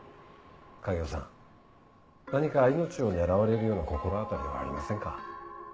影尾さん何か命を狙われるような心当たりはありませんか？